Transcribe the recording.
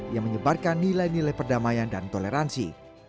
yang menyebarkan nilai nilai perdamaian dan toleransi